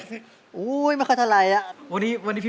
เหมารถมาเนีย